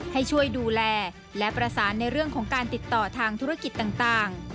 ให้ช่วยดูแลและประสานในเรื่องของการติดต่อทางธุรกิจต่าง